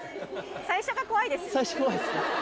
最初怖いです。